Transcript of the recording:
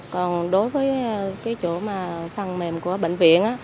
còn đối với cái chỗ mà phần mềm của bệnh viện